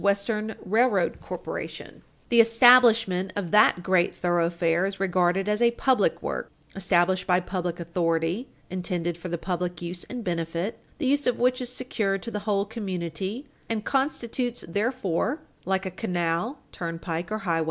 Western Railroad Corporation, 4 Met. 564: "The establishment of that great thoroughfare is regarded as a public work, established by public authority, intended for the public use and benefit, the use of which is secured to the whole community, and constitutes, therefore, like a canal, turnpike or highway, a public easement.